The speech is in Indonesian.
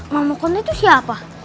mama konda itu siapa